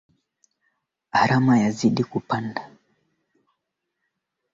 Nimejaribu kujisajili nikashindwa